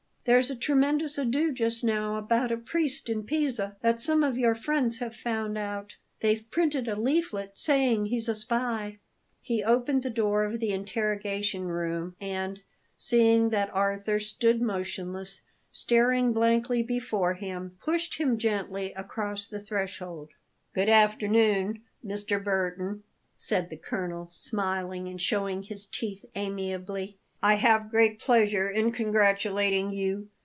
There's a tremendous ado just now about a priest in Pisa that some of your friends have found out. They've printed a leaflet saying he's a spy." He opened the door of the interrogation room, and, seeing that Arthur stood motionless, staring blankly before him, pushed him gently across the threshold. "Good afternoon, Mr. Burton," said the colonel, smiling and showing his teeth amiably. "I have great pleasure in congratulating you.